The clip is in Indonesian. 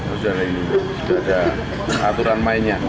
udah ada aturan mainnya